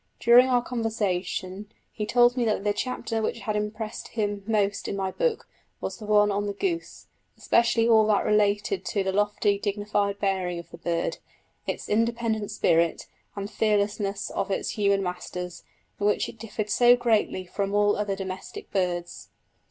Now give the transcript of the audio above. During our conversation he told me that the chapter which had impressed him most in my book was the one on the goose, especially all that related to the lofty dignified bearing of the bird, its independent spirit and fearlessness of its human masters, in which it differs so greatly from all other domestic birds.